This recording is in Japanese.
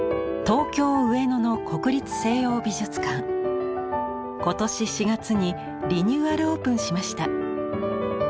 東京・上野の今年４月にリニューアルオープンしました。